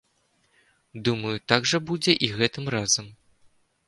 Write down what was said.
Думаю, так жа будзе і гэтым разам.